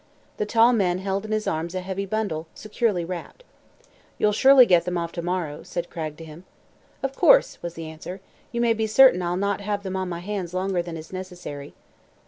The tall man held in his arms a heavy bundle, securely wrapped. "You'll surely get them off to morrow?" said Cragg to him, "Of course," was the answer. "You may be certain I'll not have them on my hands longer than is necessary."